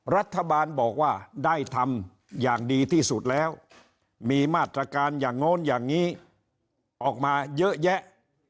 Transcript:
รัฐบาลบอกว่าได้ทำอย่างดีที่สุดแล้วมีมาตรการอย่างโน้นอย่างนี้ออกมาเยอะแยะ